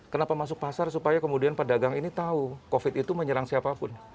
kenapa masuk pasar supaya kemudian pedagang ini tahu covid itu menyerang siapapun